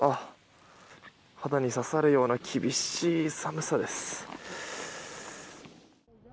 肌に刺さるような厳しい寒さです。